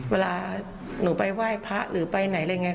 เวลาหนูไปไหว้พระหรือไปไหนอะไรอย่างนี้